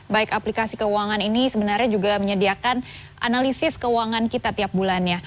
baik aplikasi keuangan ini sebenarnya juga menyediakan analisis keuangan kita tiap bulannya